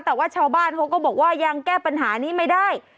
แต่ว่าชาวบ้านเขาก็บอกว่ายังแก้ปัญหานี้ไม่ได้